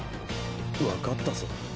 わかったぞ。